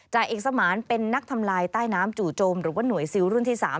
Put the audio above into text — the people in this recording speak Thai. จ่าเอกสมานเป็นนักทำลายใต้น้ำจู่โจมหรือว่าหน่วยซิลรุ่นที่๓